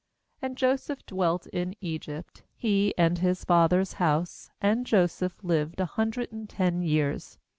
^And Joseph dwelt in Egypt, he, and his father's house; and Joseph lived a hundred and ten years.